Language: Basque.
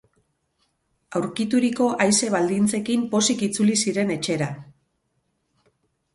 Aurkituriko haize baldintzekin pozik itzuli ziren etxera.